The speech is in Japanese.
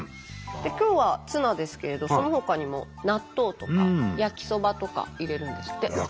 今日はツナですけれどそのほかにも納豆とか焼きそばとか入れるんですって。